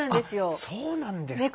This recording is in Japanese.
そうなんですよ。